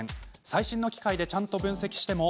最新の機械でちゃんと分析しても。